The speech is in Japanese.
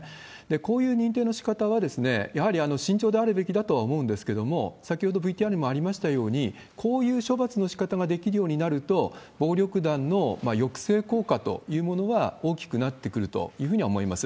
こういう認定のしかたは、やはり慎重であるべきだとは思うんですけれども、先ほどＶＴＲにもありましたように、こういう処罰のしかたができるようになると、暴力団の抑制効果というものは大きくなってくるというふうには思います。